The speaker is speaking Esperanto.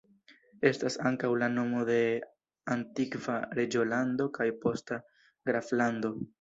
Estas ankaŭ la nomo de antikva reĝolando kaj posta graflando.